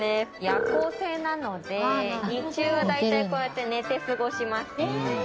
夜行性なので日中は大体こうやって寝て過ごします。